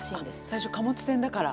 最初貨物船だから。